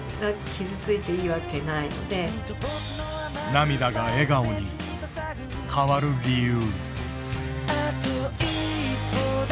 涙が笑顔に変わる理由。